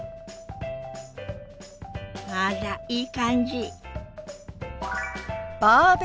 あらいい感じ。